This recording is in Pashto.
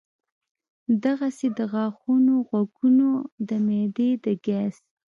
دغسې د غاښونو ، غوږونو ، د معدې د ګېس ،